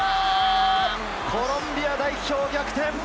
コロンビア代表、逆転！